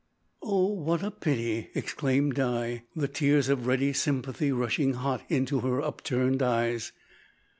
"Oh what a pity!" exclaimed Di, the tears of ready sympathy rushing hot into her upturned eyes.